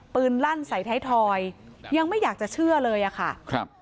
ลั่นใส่ท้ายทอยยังไม่อยากจะเชื่อเลยอะค่ะครับ